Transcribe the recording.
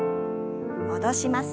戻します。